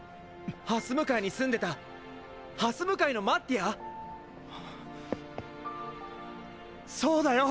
はす向かいに住んでたはす向かいのマッティア⁉そうだよ